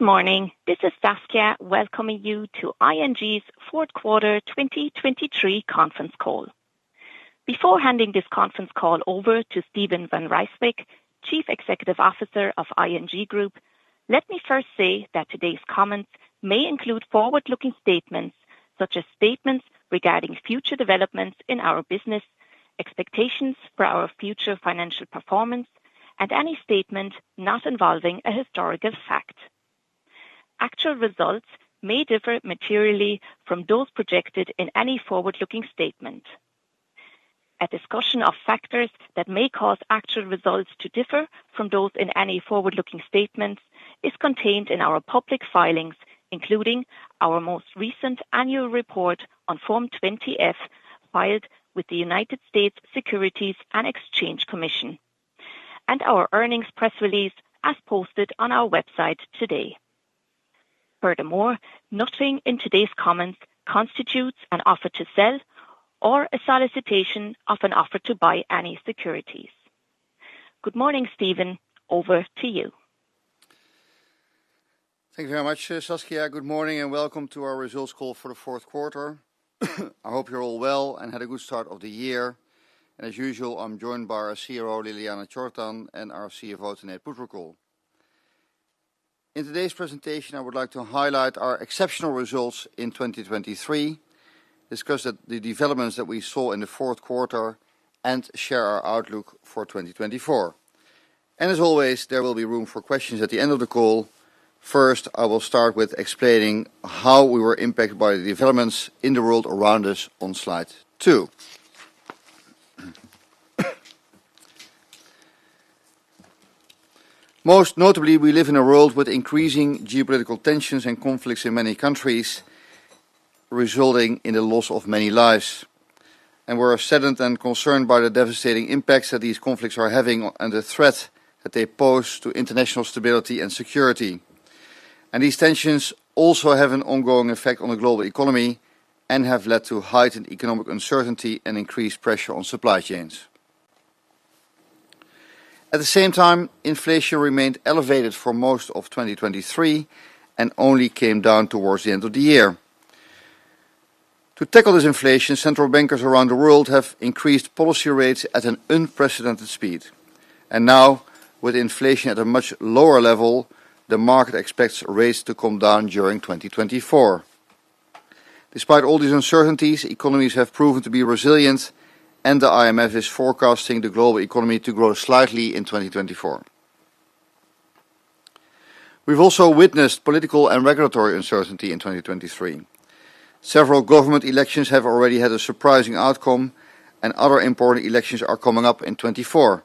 Good morning. This is Saskia welcoming you to ING's fourth quarter 2023 conference call. Before handing this conference call over to Steven van Rijswijk, Chief Executive Officer of ING Group, let me first say that today's comments may include forward-looking statements, such as statements regarding future developments in our business, expectations for our future financial performance, and any statement not involving a historical fact. Actual results may differ materially from those projected in any forward-looking statement. A discussion of factors that may cause actual results to differ from those in any forward-looking statements is contained in our public filings, including our most recent annual report on Form 20-F, filed with the United States Securities and Exchange Commission, and our earnings press release, as posted on our website today. Furthermore, nothing in today's comments constitutes an offer to sell or a solicitation of an offer to buy any securities. Good morning, Steven. Over to you. Thank you very much, Saskia. Good morning, and welcome to our results call for the fourth quarter. I hope you're all well and had a good start of the year. And as usual, I'm joined by our CRO, Ljiljana Čortan, and our CFO, Tenate Phutrakul. In today's presentation, I would like to highlight our exceptional results in 2023, discuss the developments that we saw in the fourth quarter, and share our outlook for 2024. And as always, there will be room for questions at the end of the call. First, I will start with explaining how we were impacted by the developments in the world around us on slide 2. Most notably, we live in a world with increasing geopolitical tensions and conflicts in many countries, resulting in the loss of many lives. We're saddened and concerned by the devastating impacts that these conflicts are having and the threat that they pose to international stability and security. These tensions also have an ongoing effect on the global economy and have led to heightened economic uncertainty and increased pressure on supply chains. At the same time, inflation remained elevated for most of 2023 and only came down towards the end of the year. To tackle this inflation, central bankers around the world have increased policy rates at an unprecedented speed, and now, with inflation at a much lower level, the market expects rates to come down during 2024. Despite all these uncertainties, economies have proven to be resilient, and the IMF is forecasting the global economy to grow slightly in 2024. We've also witnessed political and regulatory uncertainty in 2023. Several government elections have already had a surprising outcome, and other important elections are coming up in 2024.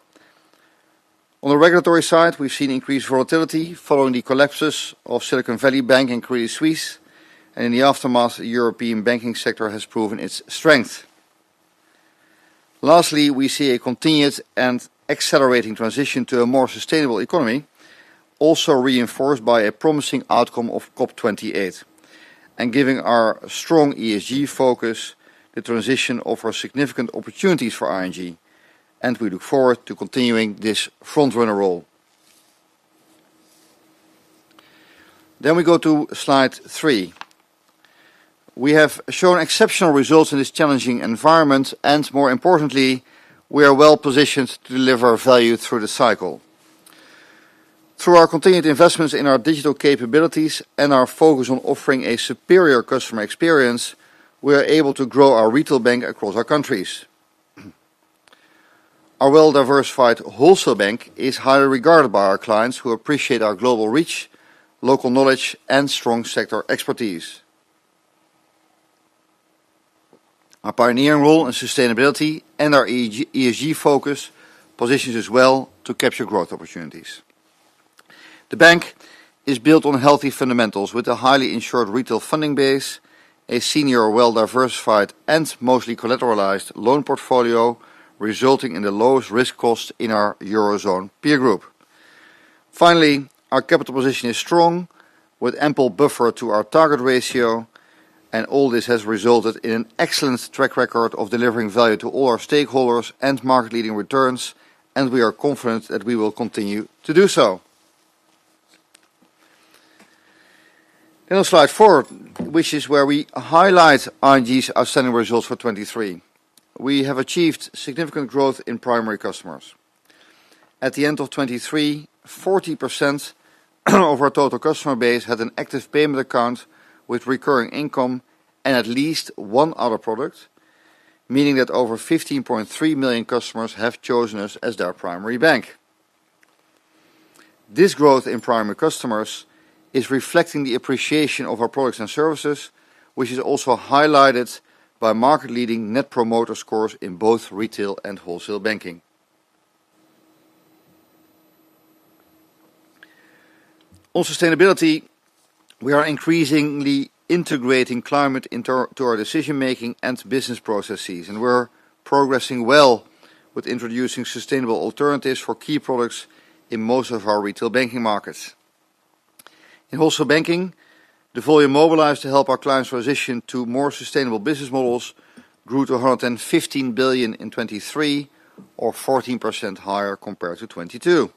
On the regulatory side, we've seen increased volatility following the collapses of Silicon Valley Bank and Credit Suisse, and in the aftermath, the European banking sector has proven its strength. Lastly, we see a continued and accelerating transition to a more sustainable economy, also reinforced by a promising outcome of COP 28. And giving our strong ESG focus, the transition offers significant opportunities for ING, and we look forward to continuing this frontrunner role. Then we go to slide 3. We have shown exceptional results in this challenging environment, and more importantly, we are well-positioned to deliver value through the cycle. Through our continued investments in our digital capabilities and our focus on offering a superior customer experience, we are able to grow our retail bank across our countries. Our well-diversified Wholesale Bank is highly regarded by our clients, who appreciate our global reach, local knowledge, and strong sector expertise. Our pioneering role in sustainability and our ESG focus positions us well to capture growth opportunities. The bank is built on healthy fundamentals with a highly insured retail funding base, a senior, well-diversified, and mostly collateralized loan portfolio, resulting in the lowest risk cost in our Eurozone peer group. Finally, our capital position is strong, with ample buffer to our target ratio, and all this has resulted in an excellent track record of delivering value to all our stakeholders and market-leading returns, and we are confident that we will continue to do so. Then on slide 4, which is where we highlight ING's outstanding results for 2023. We have achieved significant growth in primary customers. At the end of 2023, 40% of our total customer base had an active payment account with recurring income and at least one other product, meaning that over 15.3 million customers have chosen us as their primary bank. This growth in primary customers is reflecting the appreciation of our products and services, which is also highlighted by market-leading Net Promoter Scores in both retail and wholesale banking. On sustainability, we are increasingly integrating climate into our decision-making and business processes, and we're progressing well with introducing sustainable alternatives for key products in most of our retail banking markets. In Wholesale Banking, the volume mobilized to help our clients transition to more sustainable business models grew to 115 billion in 2023, or 14% higher compared to 2022.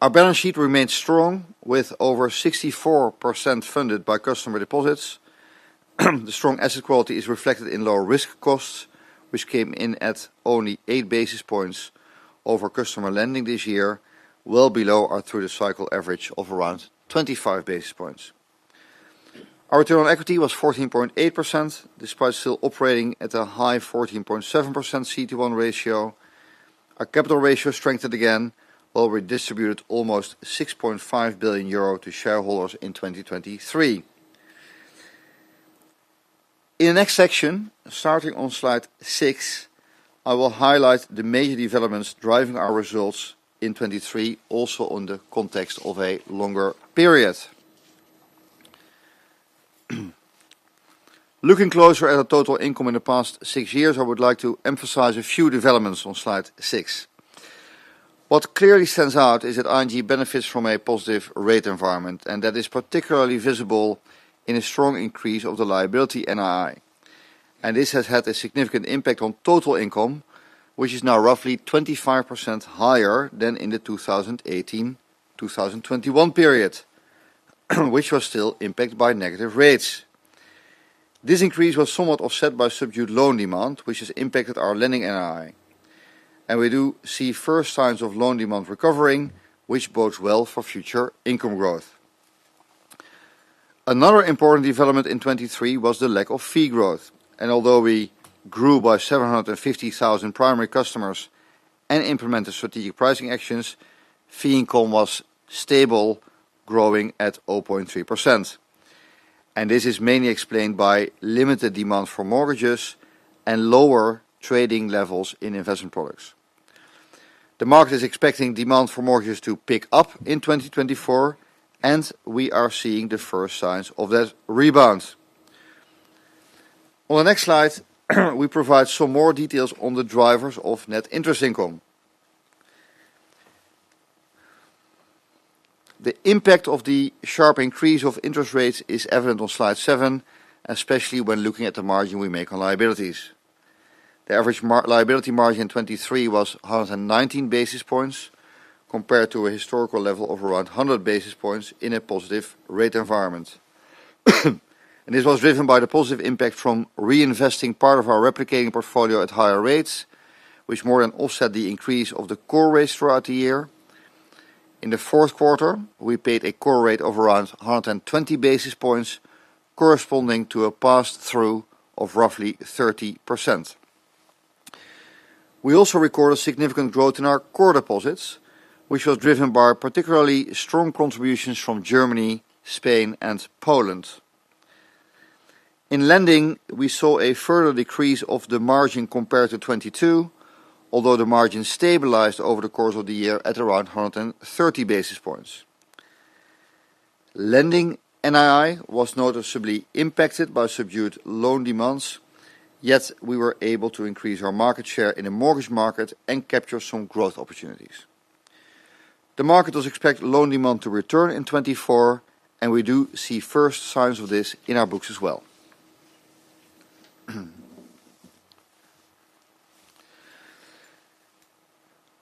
Our balance sheet remains strong, with over 64% funded by customer deposits. The strong asset quality is reflected in lower risk costs, which came in at only 8 basis points over customer lending this year, well below our through-the-cycle average of around 25 basis points. Our return on equity was 14.8%, despite still operating at a high 14.7% CET1 ratio. Our capital ratio strengthened again, while we distributed almost 6.5 billion euro to shareholders in 2023. In the next section, starting on slide 6, I will highlight the major developments driving our results in 2023, also on the context of a longer period. Looking closer at our total income in the past 6 years, I would like to emphasize a few developments on slide 6. What clearly stands out is that ING benefits from a positive rate environment, and that is particularly visible in a strong increase of the liability NII. And this has had a significant impact on total income, which is now roughly 25% higher than in the 2018-2021 period, which was still impacted by negative rates. This increase was somewhat offset by subdued loan demand, which has impacted our lending NII. And we do see first signs of loan demand recovering, which bodes well for future income growth. Another important development in 2023 was the lack of fee growth, and although we grew by 750,000 primary customers and implemented strategic pricing actions, fee income was stable, growing at 0.3%. And this is mainly explained by limited demand for mortgages and lower trading levels in investment products. The market is expecting demand for mortgages to pick up in 2024, and we are seeing the first signs of that rebound. On the next slide, we provide some more details on the drivers of net interest income. The impact of the sharp increase of interest rates is evident on slide seven, especially when looking at the margin we make on liabilities. The average liability margin in 2023 was 119 basis points, compared to a historical level of around 100 basis points in a positive rate environment. This was driven by the positive impact from reinvesting part of ourp replicating portfolio at higher rates, which more than offset the increase of the core rates throughout the year. In the fourth quarter, we paid a core rate of around 120 basis points, corresponding to a pass-through of roughly 30%. We also recorded significant growth in our core deposits, which was driven by particularly strong contributions from Germany, Spain, and Poland. In lending, we saw a further decrease of the margin compared to 2022, although the margin stabilized over the course of the year at around 130 basis points. Lending NII was noticeably impacted by subdued loan demands, yet we were able to increase our market share in the mortgage market and capture some growth opportunities. The market does expect loan demand to return in 2024, and we do see first signs of this in our books as well.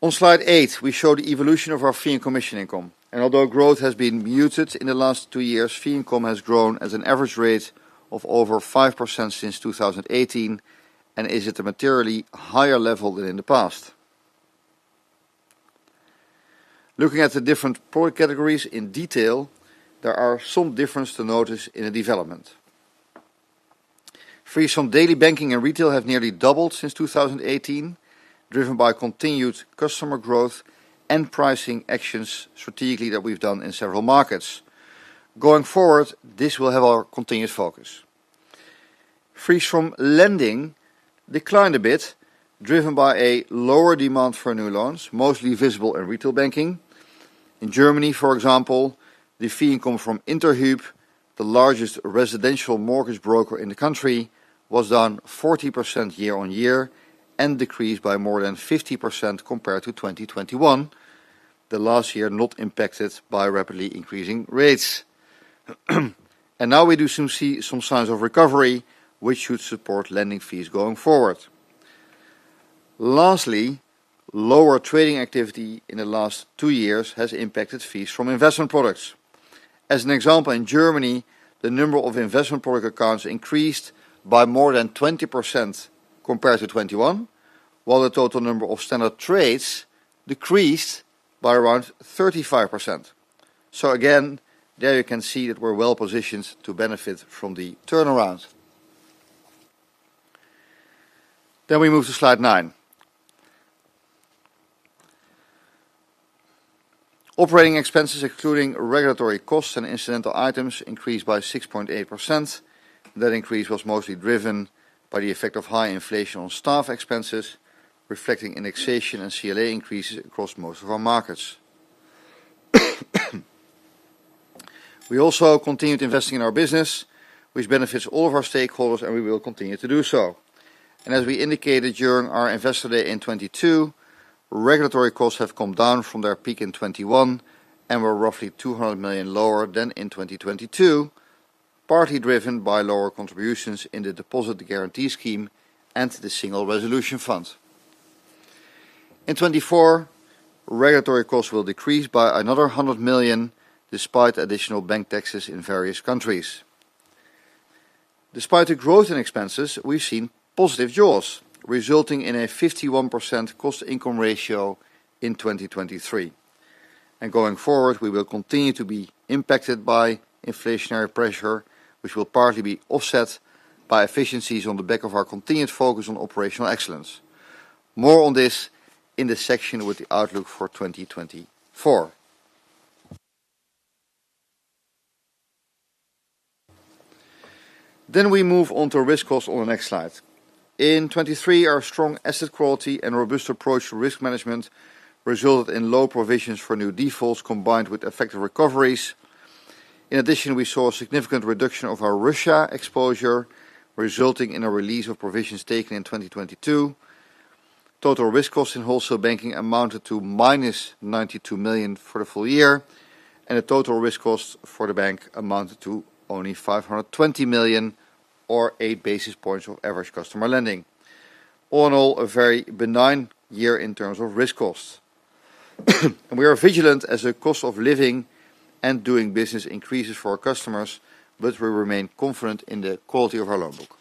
On slide 8, we show the evolution of our fee and commission income. Although growth has been muted in the last two years, fee income has grown at an average rate of over 5% since 2018, and is at a materially higher level than in the past. Looking at the different product categories in detail, there are some difference to notice in the development. Fees from daily banking and retail have nearly doubled since 2018, driven by continued customer growth and pricing actions strategically that we've done in several markets. Going forward, this will have our continued focus. Fees from lending declined a bit, driven by a lower demand for new loans, mostly visible in retail banking. In Germany, for example, the fee income from Interhyp, the largest residential mortgage broker in the country, was down 40% year-on-year and decreased by more than 50% compared to 2021, the last year not impacted by rapidly increasing rates. And now we do see some signs of recovery, which should support lending fees going forward. Lastly, lower trading activity in the last two years has impacted fees from investment products. As an example, in Germany, the number of investment product accounts increased by more than 20% compared to 2021, while the total number of standard trades decreased by around 35%. So again, there you can see that we're well-positioned to benefit from the turnaround. Then we move to slide 9. Operating expenses, excluding regulatory costs and incidental items, increased by 6.8%. That increase was mostly driven by the effect of high inflation on staff expenses, reflecting indexation and CLA increases across most of our markets. We also continued investing in our business, which benefits all of our stakeholders, and we will continue to do so.... As we indicated during our Investor Day in 2022, regulatory costs have come down from their peak in 2021 and were roughly 200 million lower than in 2022, partly driven by lower contributions in the Deposit Guarantee Scheme and the Single Resolution Fund. In 2024, regulatory costs will decrease by another 100 million, despite additional bank taxes in various countries. Despite the growth in expenses, we've seen positive jaws, resulting in a 51% cost-income ratio in 2023. Going forward, we will continue to be impacted by inflationary pressure, which will partly be offset by efficiencies on the back of our continued focus on operational excellence. More on this in the section with the outlook for 2024. We move on to risk costs on the next slide. In 2023, our strong asset quality and robust approach to risk management resulted in low provisions for new defaults, combined with effective recoveries. In addition, we saw a significant reduction of our Russia exposure, resulting in a release of provisions taken in 2022. Total risk costs in Wholesale Banking amounted to -92 million for the full year, and the total risk costs for the bank amounted to only 520 million, or 8 basis points of average customer lending. All in all, a very benign year in terms of risk costs. We are vigilant as the cost of living and doing business increases for our customers, but we remain confident in the quality of our loan book.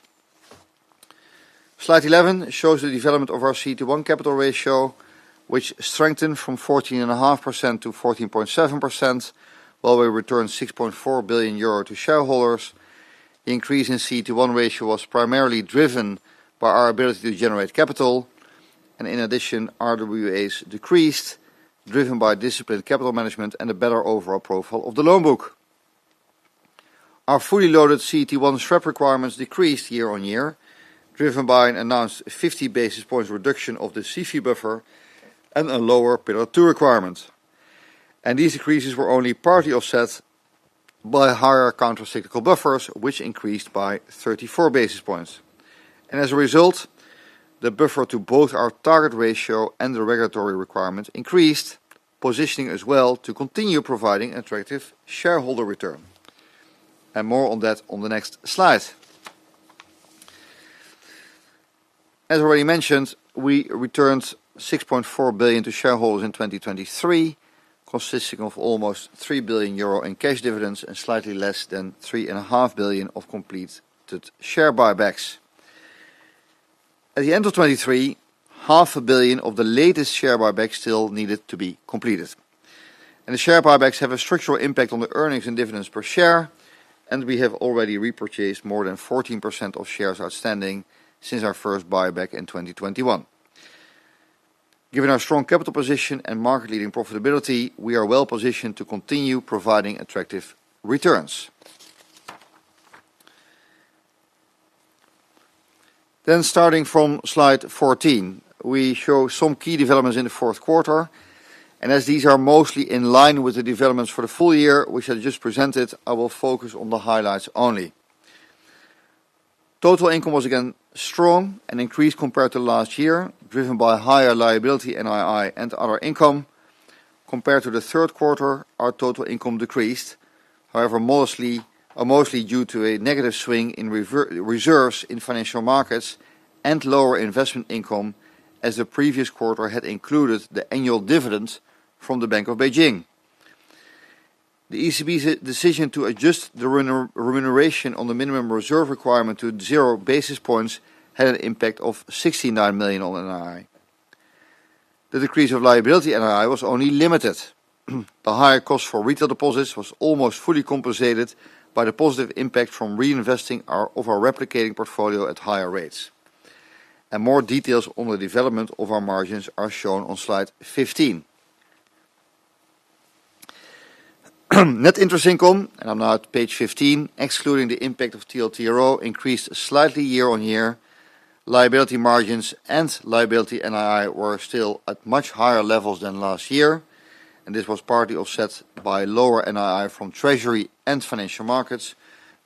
Slide 11 shows the development of our CET1 capital ratio, which strengthened from 14.5% to 14.7%, while we returned 6.4 billion euro to shareholders. The increase in CET1 ratio was primarily driven by our ability to generate capital, and in addition, RWAs decreased, driven by disciplined capital management and a better overall profile of the loan book. Our fully loaded CET1 SREP requirements decreased year-over-year, driven by an announced 50 basis points reduction of the CCF buffer and a lower Pillar Two requirement. These decreases were only partly offset by higher countercyclical buffers, which increased by 34 basis points. As a result, the buffer to both our target ratio and the regulatory requirements increased, positioning us well to continue providing attractive shareholder return. More on that on the next slide. As already mentioned, we returned 6.4 billion to shareholders in 2023, consisting of almost 3 billion euro in cash dividends and slightly less than 3.5 billion of completed share buybacks. At the end of 2023, 0.5 billion of the latest share buyback still needed to be completed. The share buybacks have a structural impact on the earnings and dividends per share, and we have already repurchased more than 14% of shares outstanding since our first buyback in 2021. Given our strong capital position and market-leading profitability, we are well-positioned to continue providing attractive returns. Then starting from slide 14, we show some key developments in the fourth quarter, and as these are mostly in line with the developments for the full year, which I just presented, I will focus on the highlights only. Total income was again strong and increased compared to last year, driven by higher liability NII and other income. Compared to the third quarter, our total income decreased, however, modestly, or mostly due to a negative swing in reserves in financial markets and lower investment income, as the previous quarter had included the annual dividend from the Bank of Beijing. The ECB's decision to adjust the remuneration on the minimum reserve requirement to zero basis points had an impact of 69 million on NII. The decrease of liability NII was only limited. The higher cost for retail deposits was almost fully compensated by the positive impact from reinvesting our replicating portfolio at higher rates, and more details on the development of our margins are shown on slide 15. Net interest income, and I'm now at page 15, excluding the impact of TLTRO, increased slightly year-on-year. Liability margins and liability NII were still at much higher levels than last year, and this was partly offset by lower NII from Treasury and financial markets,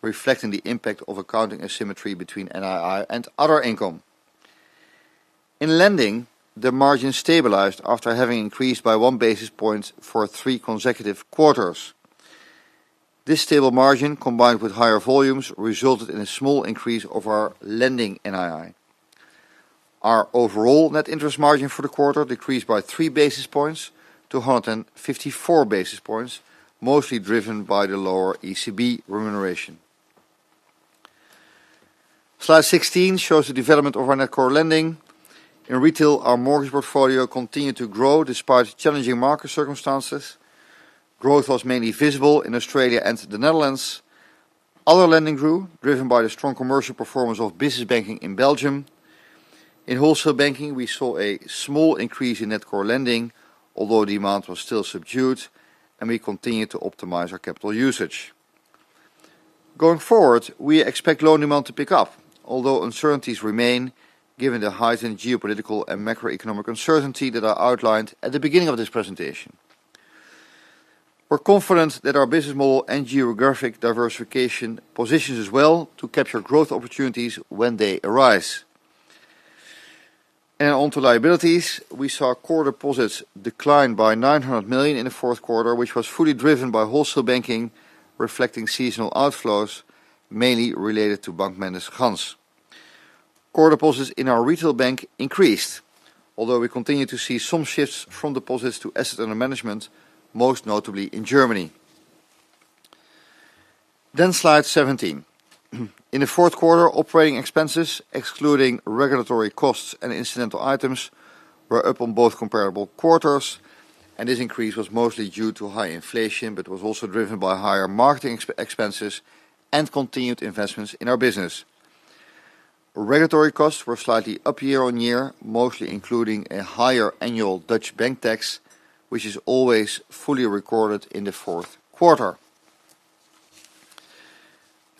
reflecting the impact of accounting asymmetry between NII and other income. In lending, the margin stabilized after having increased by 1 basis point for 3 consecutive quarters. This stable margin, combined with higher volumes, resulted in a small increase of our lending NII. Our overall net interest margin for the quarter decreased by 3 basis points to 154 basis points, mostly driven by the lower ECB remuneration. Slide 16 shows the development of our net core lending. In retail, our mortgage portfolio continued to grow despite challenging market circumstances. Growth was mainly visible in Australia and the Netherlands. Other lending grew, driven by the strong commercial performance of business banking in Belgium. In Wholesale Banking, we saw a small increase in net core lending, although demand was still subdued, and we continued to optimize our capital usage. Going forward, we expect loan demand to pick up, although uncertainties remain, given the heightened geopolitical and macroeconomic uncertainty that I outlined at the beginning of this presentation. We're confident that our business model and geographic diversification positions us well to capture growth opportunities when they arise. On to liabilities, we saw core deposits decline by 900 million in the fourth quarter, which was fully driven by wholesale banking, reflecting seasonal outflows, mainly related to Bank Mendes Gans. Core deposits in our retail bank increased, although we continue to see some shifts from deposits to assets under management, most notably in Germany. Slide 17. In the fourth quarter, operating expenses, excluding regulatory costs and incidental items, were up on both comparable quarters, and this increase was mostly due to high inflation, but was also driven by higher marketing expenses and continued investments in our business. Regulatory costs were slightly up year-on-year, mostly including a higher annual Dutch bank tax, which is always fully recorded in the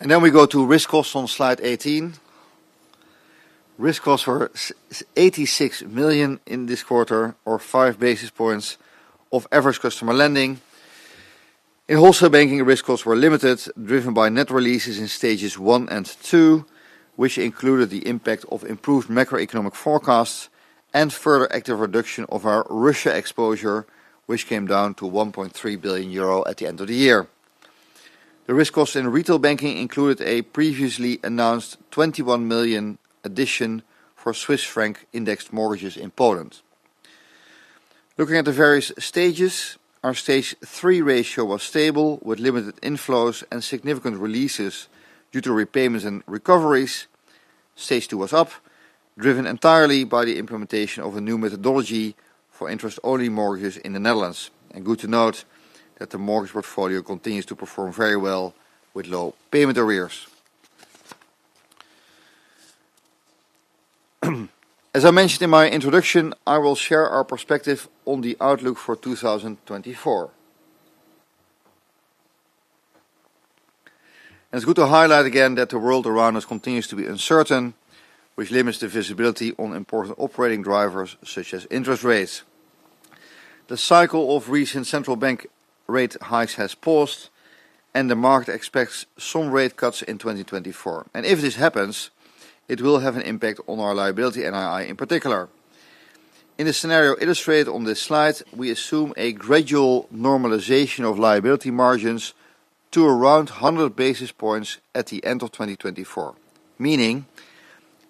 fourth quarter. Then we go to risk costs on slide 18. Risk costs were 86 million in this quarter, or 5 basis points of average customer lending. In wholesale banking, risk costs were limited, driven by net releases in stages 1 and 2, which included the impact of improved macroeconomic forecasts and further active reduction of our Russia exposure, which came down to 1.3 billion euro at the end of the year. The risk costs in retail banking included a previously announced 21 million addition for Swiss franc-indexed mortgages in Poland. Looking at the various stages, our Stage 3 ratio was stable, with limited inflows and significant releases due to repayments and recoveries. Stage 2 was up, driven entirely by the implementation of a new methodology for interest-only mortgages in the Netherlands. Good to note that the mortgage portfolio continues to perform very well with low payment arrears. As I mentioned in my introduction, I will share our perspective on the outlook for 2024. It's good to highlight again that the world around us continues to be uncertain, which limits the visibility on important operating drivers, such as interest rates. The cycle of recent central bank rate hikes has paused, and the market expects some rate cuts in 2024. If this happens, it will have an impact on our liability, NII in particular. In the scenario illustrated on this slide, we assume a gradual normalization of liability margins to around 100 basis points at the end of 2024, meaning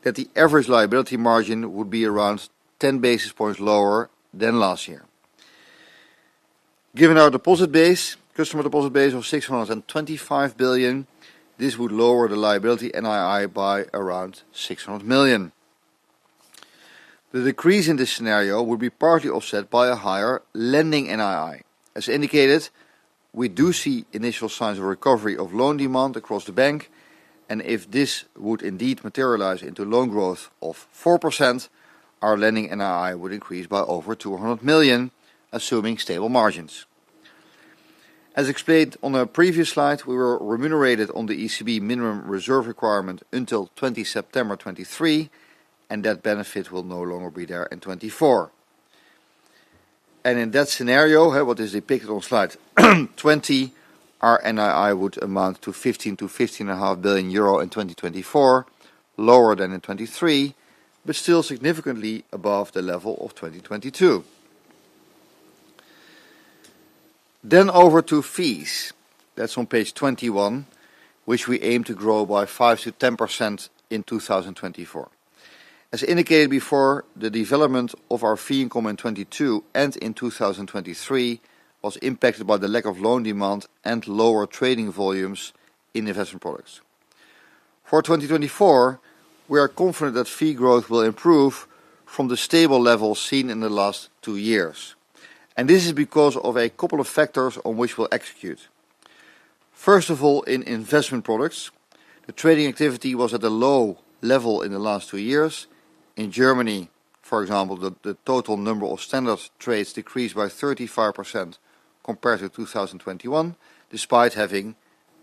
that the average liability margin would be around 10 basis points lower than last year. Given our deposit base, customer deposit base of 625 billion, this would lower the liability NII by around 600 million. The decrease in this scenario would be partly offset by a higher lending NII. As indicated, we do see initial signs of recovery of loan demand across the bank, and if this would indeed materialize into loan growth of 4%, our lending NII would increase by over 200 million, assuming stable margins. As explained on a previous slide, we were remunerated on the ECB minimum reserve requirement until 20 September 2023, and that benefit will no longer be there in 2024. In that scenario, what is depicted on slide 20, our NII would amount to 15-15.5 billion euro in 2024, lower than in 2023, but still significantly above the level of 2022. Then over to fees. That's on page 21, which we aim to grow by 5%-10% in 2024. As indicated before, the development of our fee income in 2022 and in 2023 was impacted by the lack of loan demand and lower trading volumes in investment products. For 2024, we are confident that fee growth will improve from the stable level seen in the last two years, and this is because of a couple of factors on which we'll execute. First of all, in investment products, the trading activity was at a low level in the last two years. In Germany, for example, the total number of standard trades decreased by 35% compared to 2021, despite having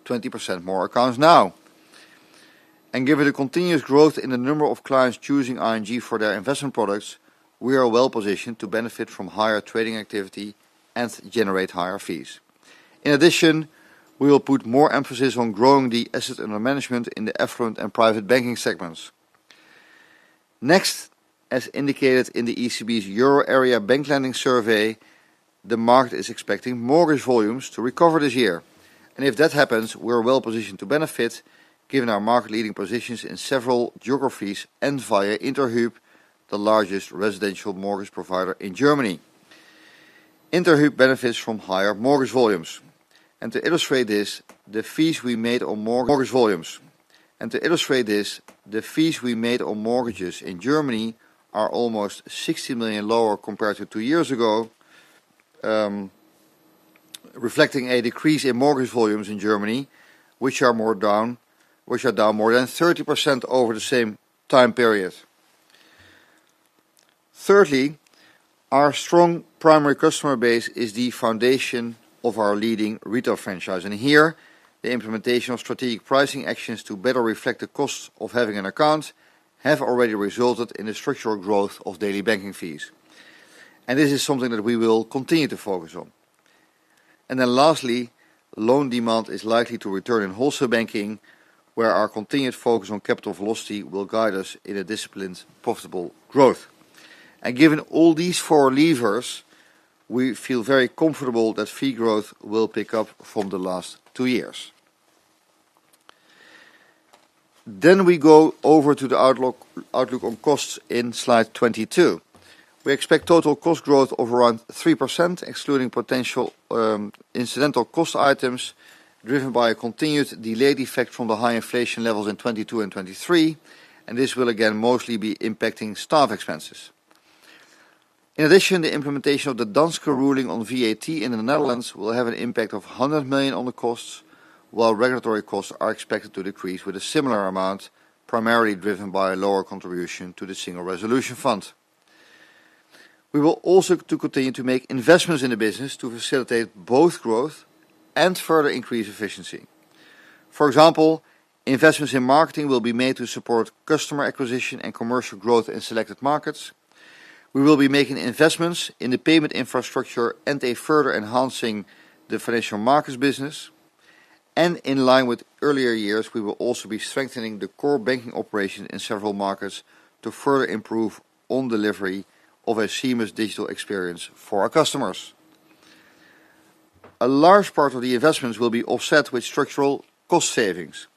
20% more accounts now. Given the continuous growth in the number of clients choosing ING for their investment products, we are well-positioned to benefit from higher trading activity and generate higher fees. In addition, we will put more emphasis on growing the assets under management in the affluent and private banking segments. Next, as indicated in the ECB's Euro area bank lending survey, the market is expecting mortgage volumes to recover this year, and if that happens, we are well positioned to benefit, given our market-leading positions in several geographies and via Interhyp, the largest residential mortgage provider in Germany. Interhyp benefits from higher mortgage volumes, and to illustrate this, the fees we made on mortgages in Germany are almost 60 million lower compared to two years ago, reflecting a decrease in mortgage volumes in Germany, which are down more than 30% over the same time period. Thirdly, our strong primary customer base is the foundation of our leading retail franchise, and here the implementation of strategic pricing actions to better reflect the costs of having an account have already resulted in the structural growth of daily banking fees. And this is something that we will continue to focus on…. And then lastly, loan demand is likely to return in wholesale banking, where our continued focus on capital velocity will guide us in a disciplined, profitable growth. And given all these four levers, we feel very comfortable that fee growth will pick up from the last two years. Then we go over to the outlook, outlook on costs in slide 22. We expect total cost growth of around 3%, excluding potential incidental cost items, driven by a continued delayed effect from the high inflation levels in 2022 and 2023, and this will again mostly be impacting staff expenses. In addition, the implementation of the Danske ruling on VAT in the Netherlands will have an impact of 100 million on the costs, while regulatory costs are expected to decrease with a similar amount, primarily driven by a lower contribution to the Single Resolution Fund. We will also continue to make investments in the business to facilitate both growth and further increase efficiency. For example, investments in marketing will be made to support customer acquisition and commercial growth in selected markets. We will be making investments in the payment infrastructure and further enhancing the financial markets business. In line with earlier years, we will also be strengthening the core banking operation in several markets to further improve on delivery of a seamless digital experience for our customers. A large part of the investments will be offset with structural cost savings.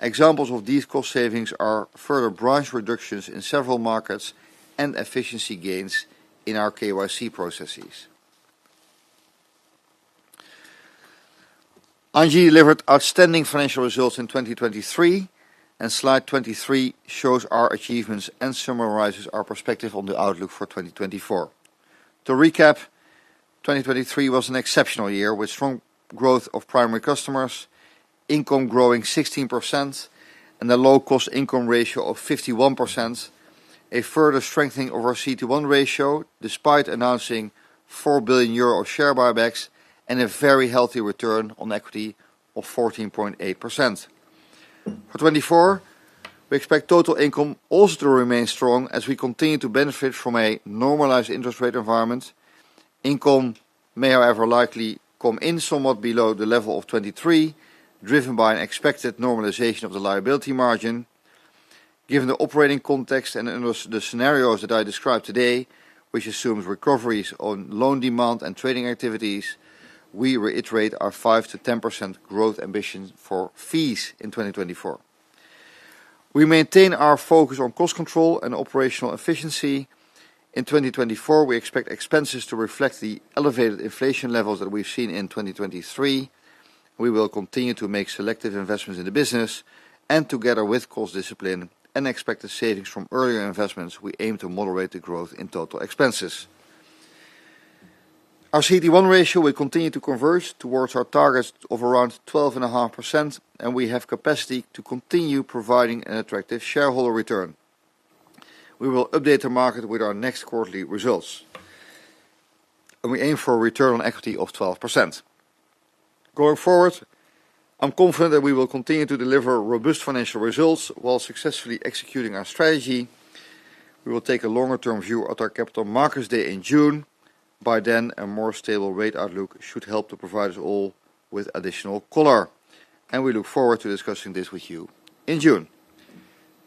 Examples of these cost savings are further branch reductions in several markets and efficiency gains in our KYC processes. ING delivered outstanding financial results in 2023, and slide 23 shows our achievements and summarizes our perspective on the outlook for 2024. To recap, 2023 was an exceptional year, with strong growth of primary customers, income growing 16%, and a low-cost income ratio of 51%, a further strengthening of our CET1 ratio, despite announcing 4 billion euro of share buybacks, and a very healthy return on equity of 14.8%. For 2024, we expect total income also to remain strong as we continue to benefit from a normalized interest rate environment. Income may, however, likely come in somewhat below the level of 2023, driven by an expected normalization of the liability margin. Given the operating context and in those scenarios that I described today, which assumes recoveries on loan demand and trading activities, we reiterate our 5%-10% growth ambition for fees in 2024. We maintain our focus on cost control and operational efficiency. In 2024, we expect expenses to reflect the elevated inflation levels that we've seen in 2023. We will continue to make selective investments in the business, and together with cost discipline and expected savings from earlier investments, we aim to moderate the growth in total expenses. Our CET1 ratio will continue to converge towards our target of around 12.5%, and we have capacity to continue providing an attractive shareholder return. We will update the market with our next quarterly results, and we aim for a return on equity of 12%. Going forward, I'm confident that we will continue to deliver robust financial results while successfully executing our strategy. We will take a longer-term view at our Capital Markets Day in June. By then, a more stable rate outlook should help to provide us all with additional color, and we look forward to discussing this with you in June.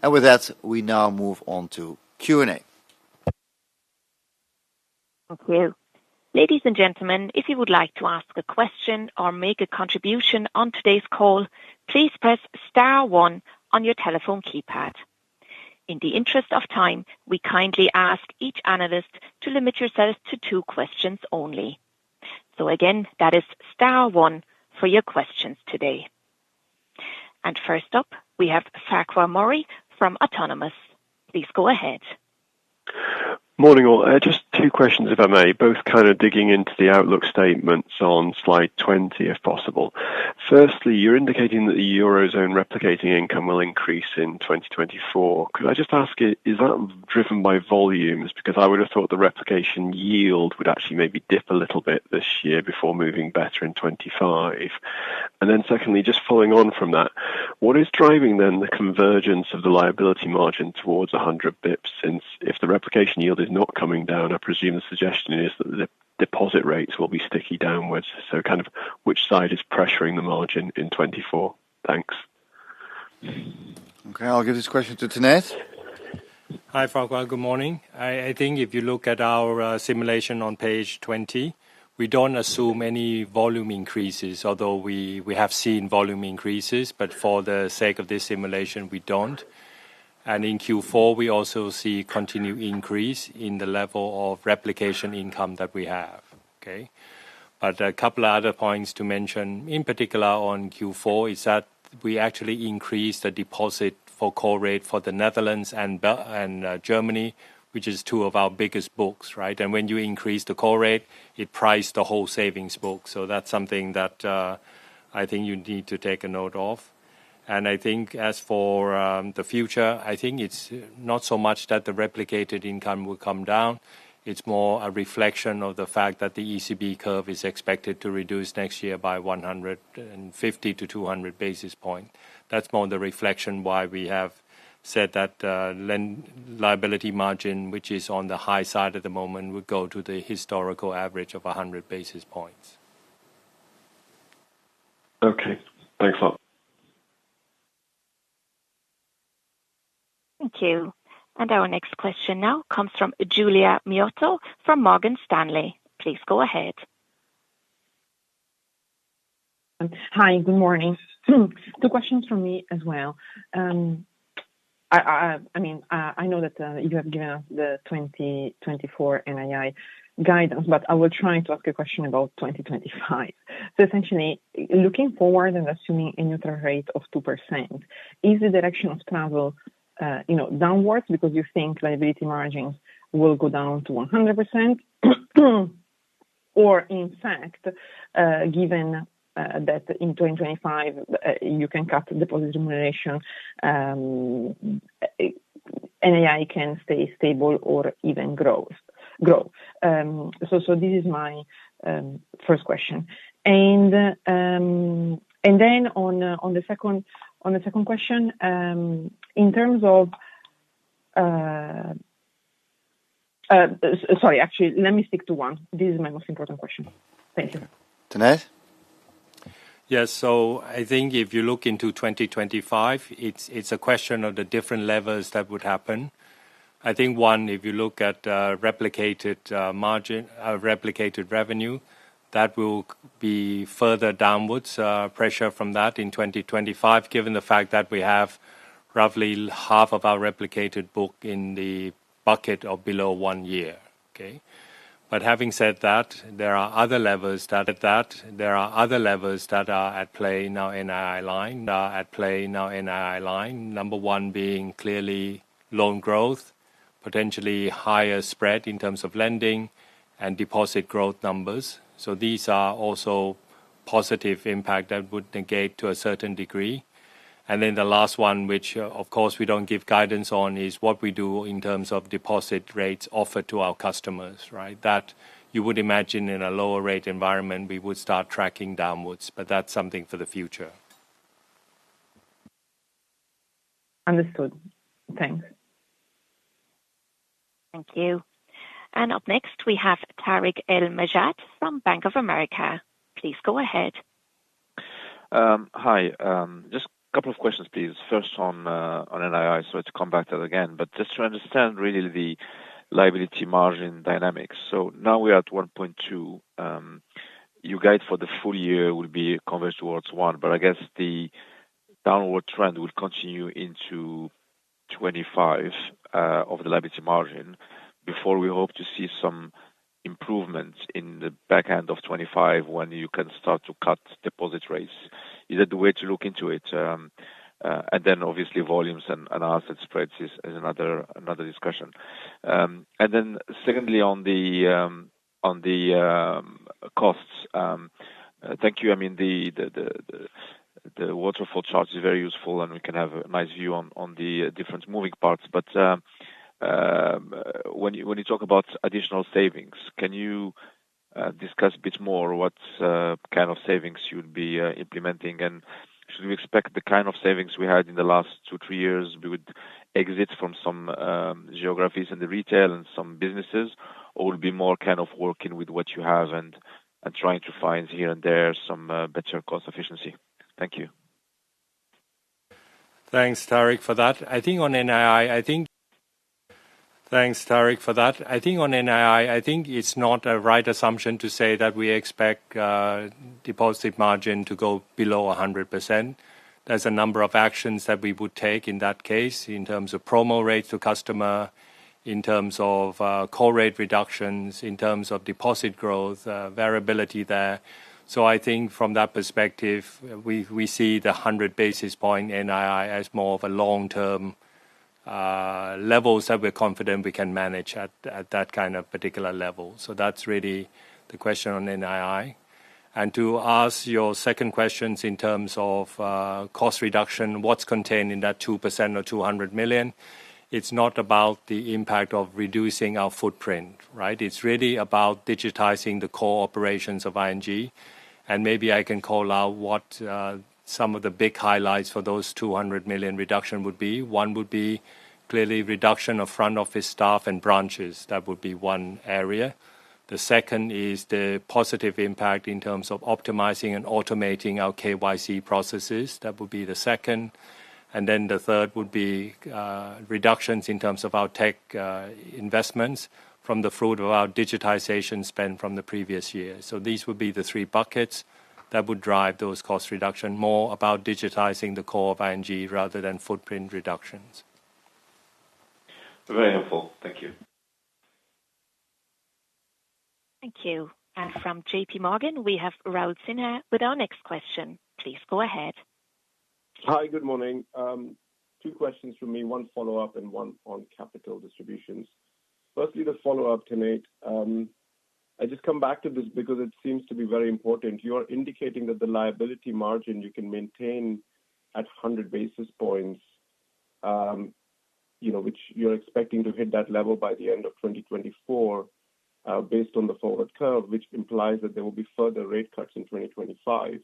And with that, we now move on to Q&A. Thank you. Ladies and gentlemen, if you would like to ask a question or make a contribution on today's call, please press star one on your telephone keypad. In the interest of time, we kindly ask each analyst to limit yourselves to two questions only. So again, that is star one for your questions today. First up, we have Farquhar Murray from Autonomous. Please go ahead. Morning, all. Just two questions, if I may, both kind of digging into the outlook statements on slide 20, if possible. Firstly, you're indicating that the Eurozone replicating income will increase in 2024. Could I just ask you, is that driven by volumes? Because I would have thought the replication yield would actually maybe dip a little bit this year before moving better in 2025. And then secondly, just following on from that, what is driving then, the convergence of the liability margin towards 100 basis points, since if the replication yield is not coming down, I presume the suggestion is that the deposit rates will be sticky downwards, so kind of which side is pressuring the margin in 2024? Thanks. Okay, I'll give this question to Tanate. Hi, Farquhar. Good morning. I think if you look at our simulation on page 20, we don't assume any volume increases, although we have seen volume increases, but for the sake of this simulation, we don't. And in Q4, we also see continued increase in the level of replication income that we have. Okay? But a couple other points to mention, in particular on Q4, is that we actually increased the deposit for call rate for the Netherlands and Belgium and Germany, which is two of our biggest books, right? And when you increase the call rate, it price the whole savings book. So that's something that I think you need to take a note of. And I think as for the future, I think it's not so much that the replicated income will come down, it's more a reflection of the fact that the ECB curve is expected to reduce next year by 150-200 basis points. That's more the reflection why we have said that, liability margin, which is on the high side at the moment, will go to the historical average of 100 basis points. Thanks a lot. Thank you. Our next question now comes from Giulia Miotto from Morgan Stanley. Please go ahead. Hi, good morning. Two questions from me as well. I mean, I know that you have given us the 2024 NII guidance, but I was trying to ask a question about 2025. So essentially, looking forward and assuming a neutral rate of 2%, is the direction of travel, you know, downwards because you think liability margins will go down to 100%? Or in fact, given that in 2025, you can cut deposit generation, NII can stay stable or even grow. So this is my first question. And then on the second question, in terms of... Sorry, actually, let me stick to one. This is my most important question. Thank you. Tanate? Yes. So I think if you look into 2025, it's, it's a question of the different levels that would happen. I think, one, if you look at, replicated, margin—replicated revenue, that will be further downwards pressure from that in 2025, given the fact that we have roughly half of our replicated book in the bucket of below one year. Okay? But having said that, there are other levels that, that there are other levels that are at play now in our line, at play now in our line. Number one, being clearly loan growth, potentially higher spread in terms of lending and deposit growth numbers. So these are also positive impact that would negate to a certain degree. And then the last one, which, of course, we don't give guidance on, is what we do in terms of deposit rates offered to our customers, right? That you would imagine in a lower rate environment, we would start tracking downwards, but that's something for the future. Understood. Thanks. Thank you. Up next, we have Tarik El Mejjad from Bank of America. Please go ahead. Hi. Just a couple of questions, please. First on NII. Sorry to come back to that again, but just to understand really the liability margin dynamics. So now we're at 1.2, you guide for the full year will be converged towards 1, but I guess the downward trend will continue into 2025, of the liability margin, before we hope to see some improvements in the back end of 2025, when you can start to cut deposit rates. Is that the way to look into it? And then obviously, volumes and asset spreads is another discussion. And then secondly, on the costs. Thank you, I mean, the waterfall chart is very useful, and we can have a nice view on the different moving parts. When you talk about additional savings, can you discuss a bit more what kind of savings you'd be implementing? Should we expect the kind of savings we had in the last 2-3 years, we would exit from some geographies in the retail and some businesses, or we'll be more kind of working with what you have and trying to find here and there some better cost efficiency? Thank you. Thanks, Tarik, for that. I think on NII, I think it's not a right assumption to say that we expect deposit margin to go below 100%. There's a number of actions that we would take in that case, in terms of promo rates to customer, in terms of core rate reductions, in terms of deposit growth variability there. So I think from that perspective, we, we see the 100 basis points NII as more of a long-term levels that we're confident we can manage at, at that kind of particular level. So that's really the question on NII. And to ask your second questions in terms of cost reduction, what's contained in that 2% or 200 million? It's not about the impact of reducing our footprint, right? It's really about digitizing the core operations of ING. And maybe I can call out what, some of the big highlights for those 200 million reduction would be. One would be clearly reduction of front office staff and branches. That would be one area. The second is the positive impact in terms of optimizing and automating our KYC processes. That would be the second. And then the third would be, reductions in terms of our tech, investments from the fruit of our digitization spend from the previous year. So these would be the three buckets that would drive those cost reduction, more about digitizing the core of ING rather than footprint reductions. Very helpful. Thank you. Thank you. From JPMorgan, we have Raul Sinha with our next question. Please go ahead. Hi, good morning. Two questions from me, one follow-up and one on capital distributions. Firstly, the follow-up, NII. I just come back to this because it seems to be very important. You are indicating that the liability margin you can maintain at 100 basis points, you know, which you're expecting to hit that level by the end of 2024, based on the forward curve, which implies that there will be further rate cuts in 2025.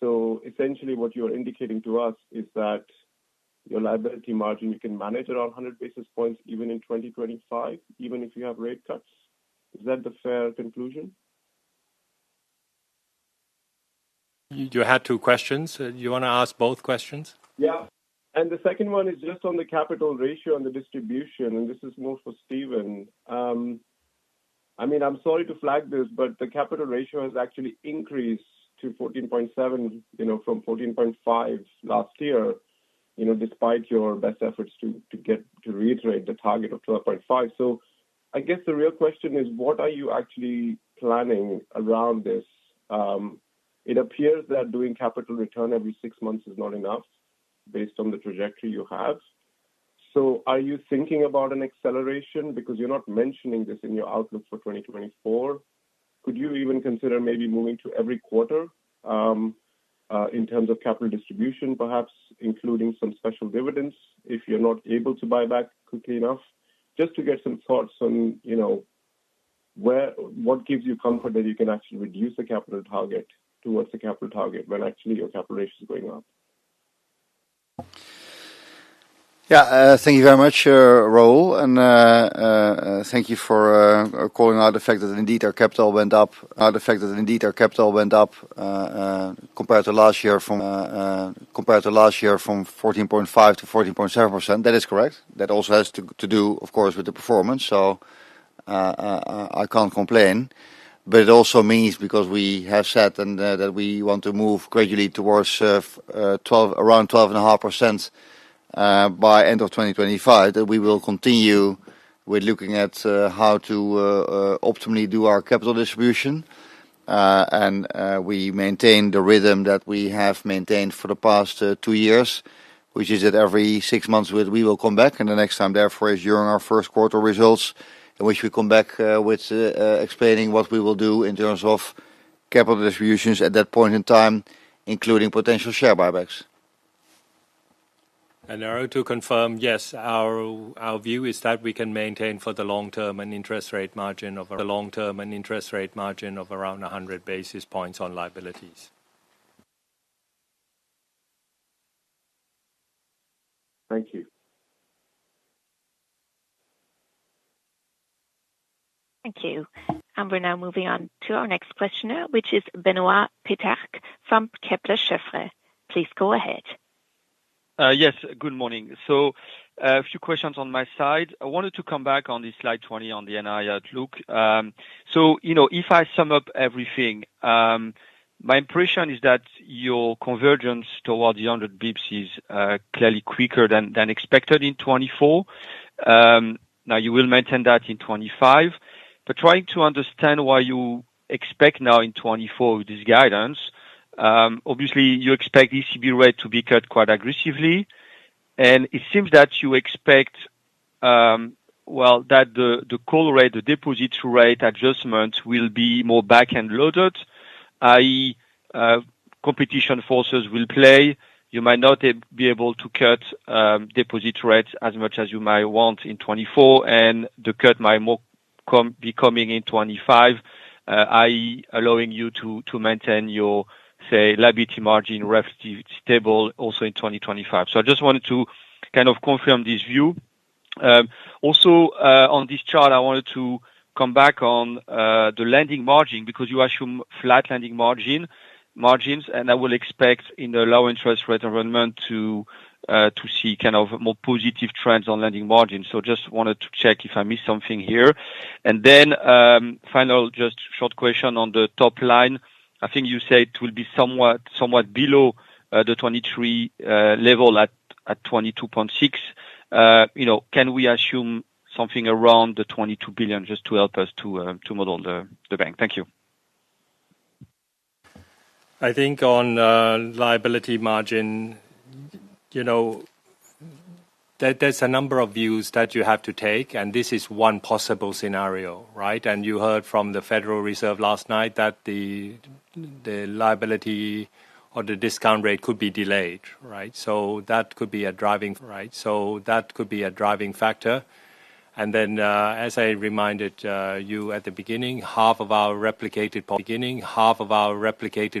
So essentially, what you are indicating to us is that... your liability margin, you can manage around a 100 basis points even in 2025, even if you have rate cuts? Is that the fair conclusion? You, you had two questions. You wanna ask both questions? Yeah. And the second one is just on the capital ratio and the distribution, and this is more for Steven. I mean, I'm sorry to flag this, but the capital ratio has actually increased to 14.7, you know, from 14.5 last year, you know, despite your best efforts to reiterate the target of 12.5. So I guess the real question is: What are you actually planning around this? It appears that doing capital return every six months is not enough, based on the trajectory you have. So are you thinking about an acceleration? Because you're not mentioning this in your outlook for 2024. Could you even consider maybe moving to every quarter in terms of capital distribution, perhaps including some special dividends, if you're not able to buy back quickly enough? Just to get some thoughts on, you know, where, what gives you comfort that you can actually reduce the capital target towards the capital target, when actually your capital ratio is going up? Yeah, thank you very much, Raul, and thank you for calling out the fact that indeed our capital went up, compared to last year from 14.5% to 14.7%. That is correct. That also has to do, of course, with the performance, so I can't complain. But it also means because we have said and that we want to move gradually towards around 12.5%, by end of 2025, that we will continue with looking at how to optimally do our capital distribution. We maintain the rhythm that we have maintained for the past two years, which is that every six months, we will come back, and the next time, therefore, is during our first quarter results, in which we come back with explaining what we will do in terms of capital distributions at that point in time, including potential share buybacks. Raul, to confirm, yes, our, our view is that we can maintain, for the long term, an interest rate margin of a long term and interest rate margin of around 100 basis points on liabilities. Thank you. Thank you. We're now moving on to our next questioner, which is Benoit Petrarque from Kepler Cheuvreux. Please go ahead. Yes, good morning. So, a few questions on my side. I wanted to come back on the slide 20 on the NII outlook. So, you know, if I sum up everything, my impression is that your convergence towards the 100 basis points is clearly quicker than expected in 2024. Now, you will maintain that in 2025. But trying to understand why you expect now in 2024, this guidance, obviously, you expect ECB rate to be cut quite aggressively. And it seems that you expect, well, that the call rate, the deposit rate adjustment will be more back-end loaded, i.e., competition forces will play. You might not ab... be able to cut deposit rates as much as you might want in 2024, and the cut might more be coming in 2025, i.e., allowing you to maintain your, say, liability margin relatively stable also in 2025. So I just wanted to kind of confirm this view. Also, on this chart, I wanted to come back on the lending margin, because you assume flat lending margin, margins, and I will expect in the low interest rate environment to see kind of more positive trends on lending margins. So just wanted to check if I missed something here. And then, final, just short question on the top line. I think you said it will be somewhat below the 2023 level at 22.6. You know, can we assume something around 22 billion just to help us to model the bank? Thank you. I think on liability margin, you know, there, there's a number of views that you have to take, and this is one possible scenario, right? And you heard from the Federal Reserve last night that the liability or the discount rate could be delayed, right? So that could be a driving factor. And then, as I reminded you at the beginning, half of our replicated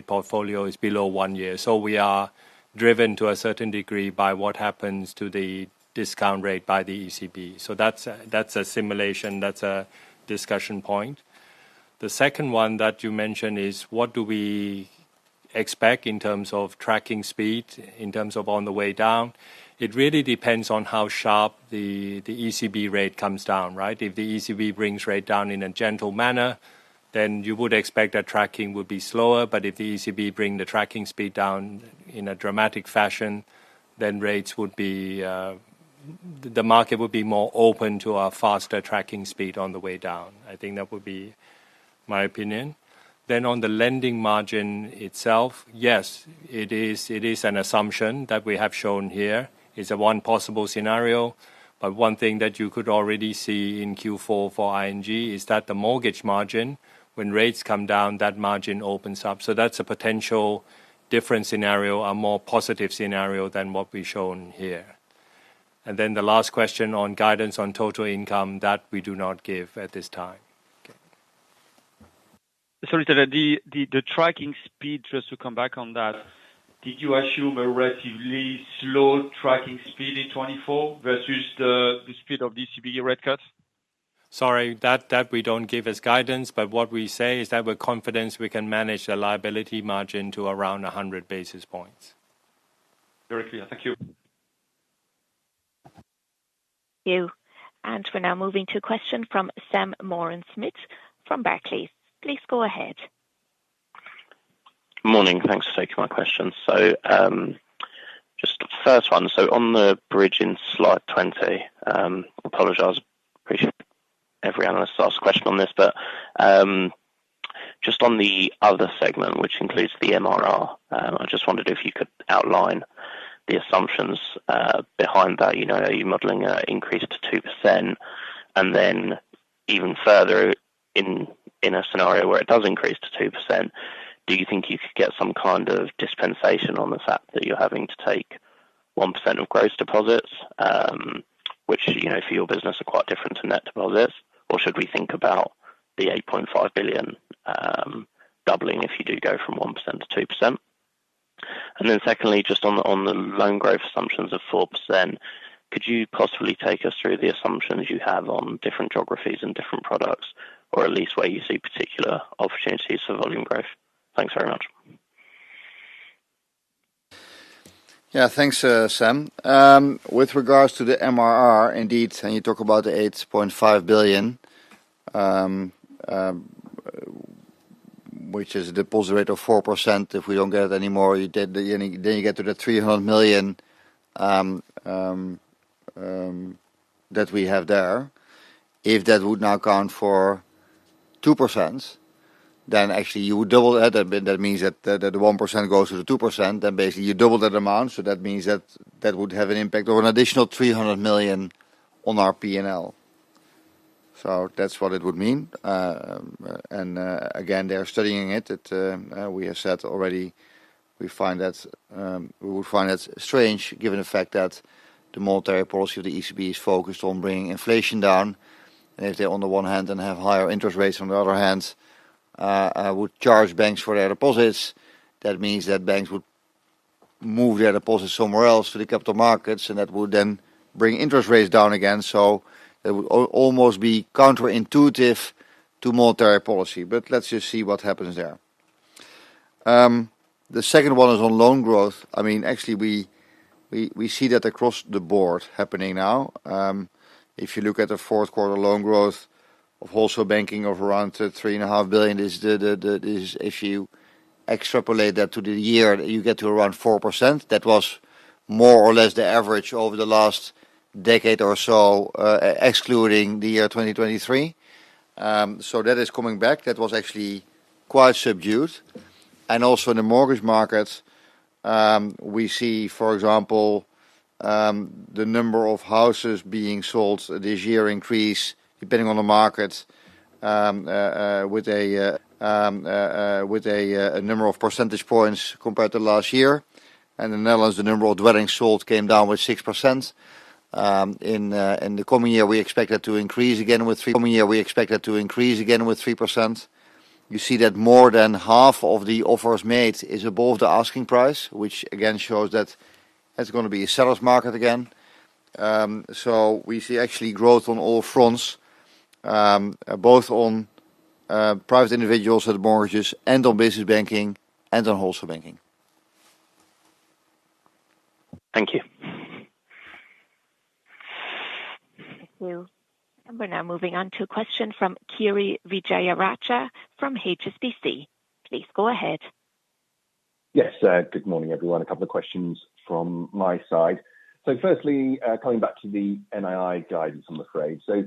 portfolio is below one year. So we are driven to a certain degree by what happens to the discount rate by the ECB. So that's a simulation, that's a discussion point. The second one that you mentioned is: What do we expect in terms of tracking speed, in terms of on the way down? It really depends on how sharp the ECB rate comes down, right? If the ECB brings rate down in a gentle manner, then you would expect that tracking would be slower. But if the ECB bring the tracking speed down in a dramatic fashion, then rates would be, the market would be more open to a faster tracking speed on the way down. I think that would be my opinion. Then on the lending margin itself, yes, it is, it is an assumption that we have shown here. It's one possible scenario, but one thing that you could already see in Q4 for ING is that the mortgage margin, when rates come down, that margin opens up. So that's a potential different scenario, a more positive scenario than what we've shown here. And then the last question on guidance on total income, that we do not give at this time. Sorry, the tracking speed, just to come back on that, did you assume a relatively slow tracking speed in 2024 versus the speed of ECB rate cut? Sorry, that we don't give as guidance, but what we say is that we're confident we can manage the liability margin to around 100 basis points. Very clear. Thank you. Thank you. We're now moving to a question from Sam Sherwood from Barclays. Please go ahead. Morning. Thanks for taking my question. So, just the first one, so on the bridge in slide 20, I apologize, pretty sure every analyst asked a question on this, but, just on the other segment, which includes the MRR, I just wondered if you could outline the assumptions behind that. You know, you're modeling an increase to 2%, and then even further in, in a scenario where it does increase to 2%, do you think you could get some kind of dispensation on the fact that you're having to take 1% of gross deposits, which, you know, for your business are quite different to net deposits? Or should we think about the 8.5 billion doubling, if you do go from 1% to 2%? Secondly, just on the loan growth assumptions of 4%, could you possibly take us through the assumptions you have on different geographies and different products, or at least where you see particular opportunities for volume growth? Thanks very much. Yeah, thanks, Sam. With regards to the MRR, indeed, and you talk about the 8.5 billion, which is deposit rate of 4%. If we don't get it anymore, then you get to the 300 million that we have there. If that would now account for 2%, then actually you double that. That means that, that the 1% goes to the 2%, then basically you double that amount, so that means that that would have an impact of an additional 300 million on our P&L. So that's what it would mean. And, again, they're studying it. It, we have said already, we find that-- we would find that strange, given the fact that the monetary policy of the ECB is focused on bringing inflation down. If they on the one hand and have higher interest rates, on the other hand, would charge banks for their deposits, that means that banks would move their deposits somewhere else to the capital markets, and that would then bring interest rates down again. So it would almost be counterintuitive to monetary policy. But let's just see what happens there. The second one is on loan growth. I mean, actually, we see that across the board happening now. If you look at the fourth quarter loan growth of wholesale banking of around 3.5 billion, is if you extrapolate that to the year, you get to around 4%. That was more or less the average over the last decade or so, excluding the year 2023. So that is coming back. That was actually quite subdued. And also in the mortgage markets, we see, for example, the number of houses being sold this year increase, depending on the market, with a number of percentage points compared to last year. And in the Netherlands, the number of dwellings sold came down with 6%. In the coming year, we expect that to increase again with 3%. You see that more than half of the offers made is above the asking price, which again shows that it's gonna be a seller's market again. So we see actually growth on all fronts, both on private individuals with mortgages and on business banking and on wholesale banking. Thank you. Thank you. We're now moving on to a question from Kiri Vijayarajah from HSBC. Please go ahead. Yes, good morning, everyone. A couple of questions from my side. So firstly, coming back to the NII guidance, I'm afraid. So,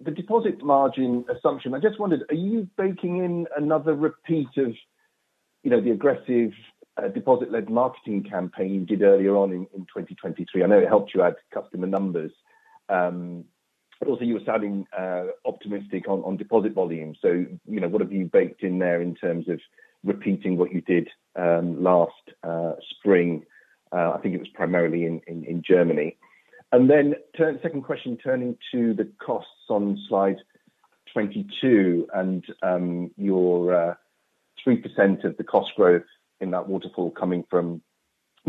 the deposit margin assumption, I just wondered, are you baking in another repeat of, you know, the aggressive, deposit-led marketing campaign you did earlier on in 2023? I know it helped you add customer numbers. Also, you were sounding optimistic on deposit volume. So, you know, what have you baked in there in terms of repeating what you did last spring? I think it was primarily in Germany. And then second question, turning to the costs on slide 22 and your 3% of the cost growth in that waterfall coming from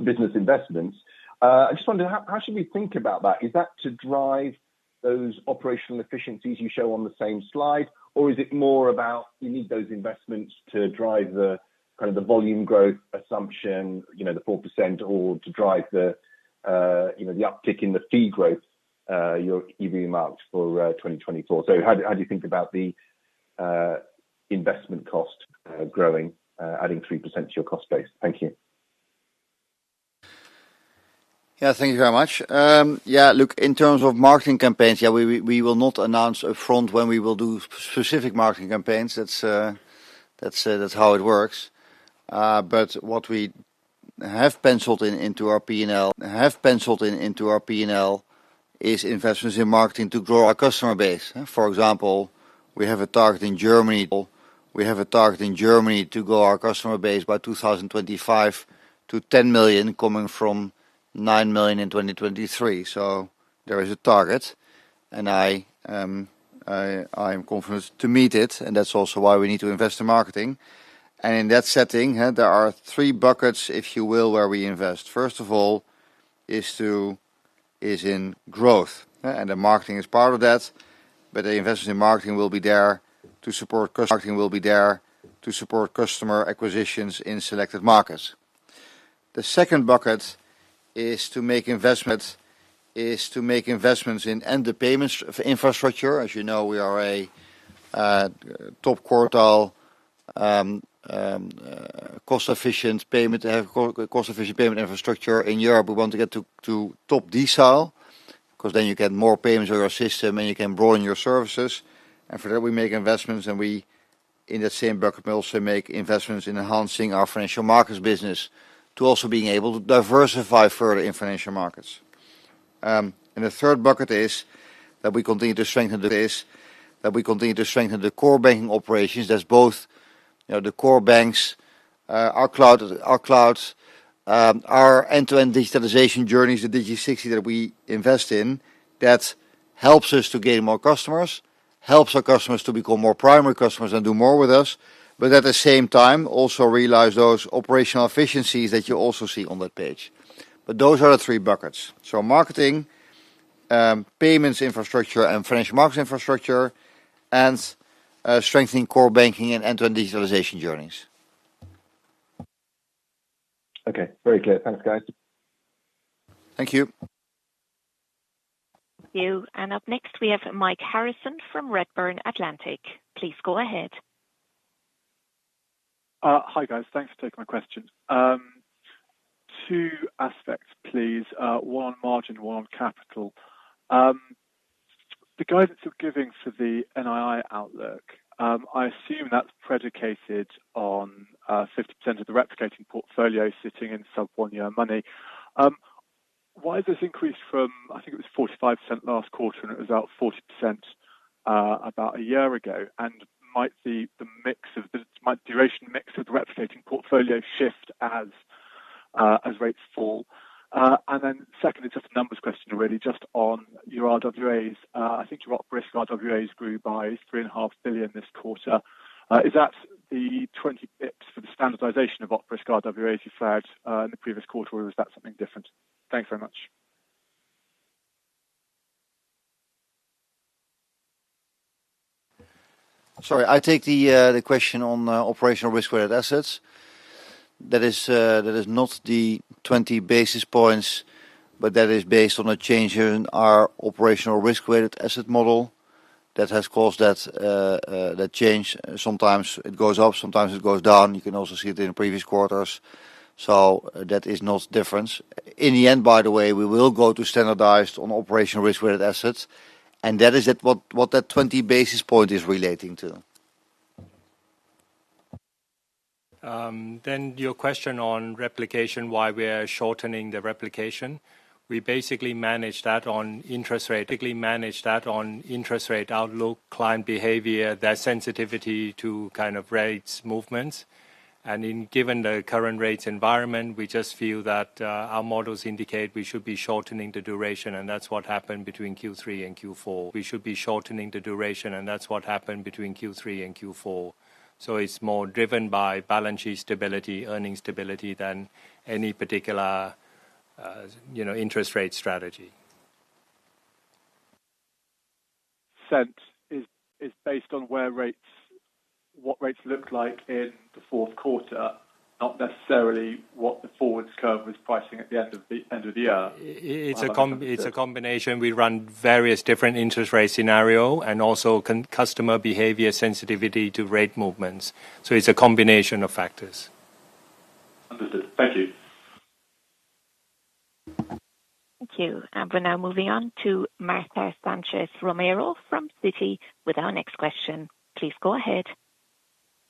business investments. I just wondered, how should we think about that? Is that to drive those operational efficiencies you show on the same slide, or is it more about you need those investments to drive the, kind of, the volume growth assumption, you know, the 4%, or to drive the, you know, the uptick in the fee growth you've remarked for 2024? So how do you think about the investment cost growing, adding 3% to your cost base? Thank you. Yeah, thank you very much. Yeah, look, in terms of marketing campaigns, yeah, we, we will not announce upfront when we will do specific marketing campaigns. That's, that's, that's how it works. But what we have penciled in, into our P&L, have penciled in, into our P&L is investments in marketing to grow our customer base, huh? For example, we have a target in Germany. We have a target in Germany to grow our customer base by 2025 to 10 million, coming from 9 million in 2023. So there is a target, and I, I, I'm confident to meet it, and that's also why we need to invest in marketing. And in that setting, there are three buckets, if you will, where we invest. First of all, is in growth, and the marketing is part of that. But the investment in marketing will be there to support customer acquisitions in selected markets. The second bucket is to make investments in and the payments infrastructure. As you know, we are a top quartile cost-efficient payment infrastructure in Europe. We want to get to top decile, 'cause then you get more payments with our system, and you can broaden your services. And for that, we make investments, and we, in that same bucket, we also make investments in enhancing our financial markets business to also being able to diversify further in financial markets. And the third bucket is that we continue to strengthen the base, that we continue to strengthen the core banking operations. That's both, you know, the core banks, our cloud, our clouds, our end-to-end digitalization journeys, the Digi60 that we invest in, that helps us to gain more customers, helps our customers to become more primary customers and do more with us, but at the same time, also realize those operational efficiencies that you also see on that page. But those are the three buckets. So marketing, payments infrastructure, and financial markets infrastructure, and, strengthening core banking and end-to-end digitalization journeys. Okay, very clear. Thanks, guys. Thank you. Thank you. And up next, we have Mike Harrison from Redburn Atlantic. Please go ahead. Hi, guys. Thanks for taking my question. Two aspects, please. One on margin, one on capital. The guidance you're giving for the NII outlook, I assume that's predicated on, 50% of the replicating portfolio sitting in sub 1-year money. Why has this increased from, I think it was 45% last quarter, and it was about 40%, about a year ago? And might the mix of the duration mix of the replicating portfolio shift as rates fall? And then secondly, just a numbers question, really, just on your RWAs. I think your op risk RWAs grew by 3.5 billion this quarter. Is that the 20 basis points for the standardization of op risk RWAs you flagged, in the previous quarter, or was that something different? Thank you very much. Sorry, I take the question on operational risk-weighted assets. That is, that is not the 20 basis points, but that is based on a change in our operational risk-weighted asset model that has caused that change. Sometimes it goes up, sometimes it goes down. You can also see it in previous quarters, so that is not different. In the end, by the way, we will go to standardized on operational risk-weighted assets, and that is at what that 20 basis point is relating to. Then, your question on replication, why we are shortening the replication. We basically manage that on interest rate outlook, client behavior, their sensitivity to, kind of, rates, movements. Given the current rates environment, we just feel that our models indicate we should be shortening the duration, and that's what happened between Q3 and Q4. We should be shortening the duration, and that's what happened between Q3 and Q4. So it's more driven by balance sheet stability, earning stability, than any particular, you know, interest rate strategy. Sense is based on what rates looked like in the fourth quarter, not necessarily what the forward curve was pricing at the end of the year. It's a combination. We run various different interest rate scenario, and also customer behavior sensitivity to rate movements, so it's a combination of factors. Understood. Thank you. Thank you. We're now moving on to Marta Sanchez Romero from Citi with our next question. Please go ahead.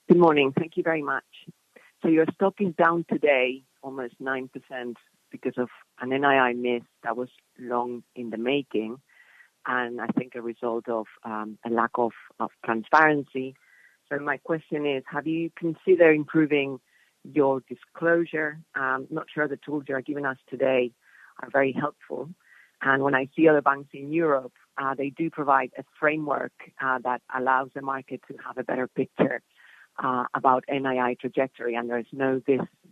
Good morning. Thank you very much. So your stock is down today, almost 9% because of an NII miss that was long in the making, and I think a result of a lack of transparency. So my question is: have you considered improving your disclosure? I'm not sure the tools you are giving us today are very helpful. And when I see other banks in Europe, they do provide a framework that allows the market to have a better picture about NII trajectory, and there is no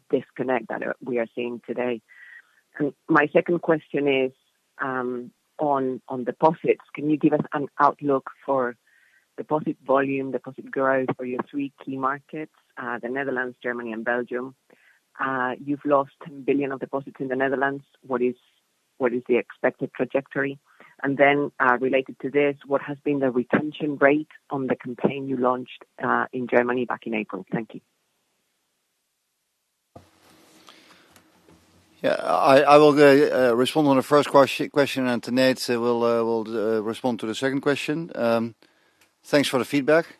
disconnect that we are seeing today. And my second question is, on deposits. Can you give us an outlook for deposit volume, deposit growth for your three key markets, the Netherlands, Germany, and Belgium? You've lost 10 billion of deposits in the Netherlands. What is the expected trajectory? And then, related to this, what has been the retention rate on the campaign you launched, in Germany back in April? Thank you. Yeah, I will respond on the first question, and then Tenate will respond to the second question. Thanks for the feedback.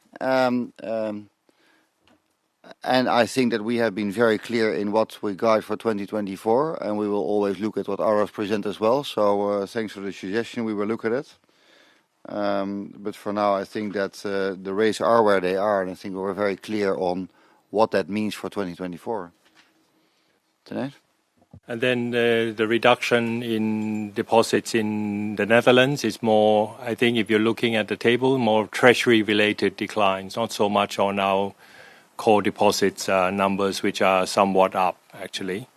And I think that we have been very clear in what we guide for 2024, and we will always look at what our peers present as well. So, thanks for the suggestion, we will look at it. But for now, I think that the rates are where they are, and I think we're very clear on what that means for 2024. And then, the reduction in deposits in the Netherlands is more, I think if you're looking at the table, more treasury-related declines, not so much on our core deposits numbers, which are somewhat up, actually.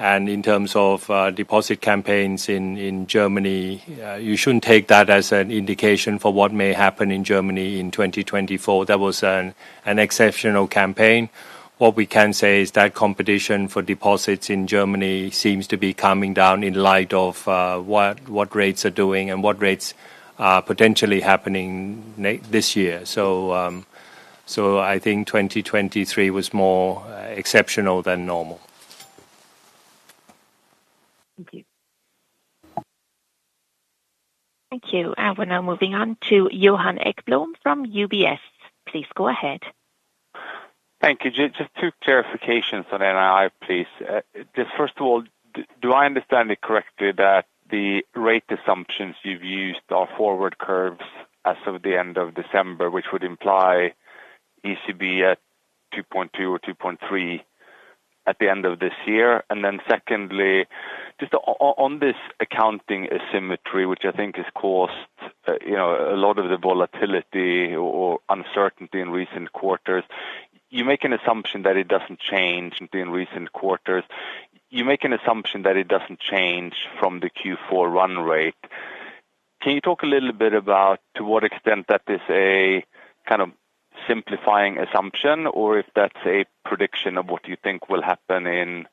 And in terms of deposit campaigns in Germany, you shouldn't take that as an indication for what may happen in Germany in 2024. That was an exceptional campaign. What we can say is that competition for deposits in Germany seems to be calming down in light of what rates are doing and what rates are potentially happening this year. So, I think 2023 was more exceptional than normal. Thank you. Thank you. We're now moving on to Johan Ekblom from UBS. Please go ahead. Thank you. Just two clarifications on NII, please. Just first of all, do I understand it correctly that the rate assumptions you've used are forward curves as of the end of December, which would imply ECB at 2.2 or 2.3 at the end of this year? And then secondly, just on this accounting asymmetry, which I think has caused, you know, a lot of the volatility or uncertainty in recent quarters, you make an assumption that it doesn't change in recent quarters. You make an assumption that it doesn't change from the Q4 run rate. Can you talk a little bit about to what extent that is a kind of simplifying assumption, or if that's a prediction of what you think will happen in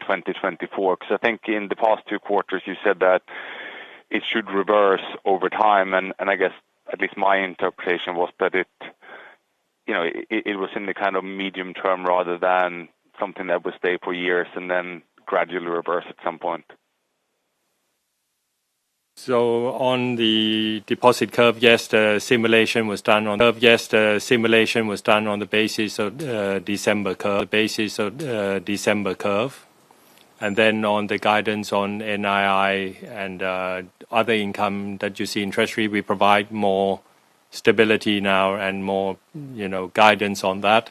2024? 'Cause I think in the past two quarters, you said that it should reverse over time, and I guess at least my interpretation was that it, you know, it was in the kind of medium term rather than something that would stay for years and then gradually reverse at some point. So on the deposit curve, yes, the simulation was done on the basis of December curve, and then on the guidance on NII and other income that you see in treasury, we provide more stability now and more, you know, guidance on that.